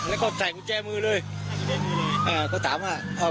แล้วก็ใส่กุญแจมือเลยอ่าก็ถามว่าเอ่อ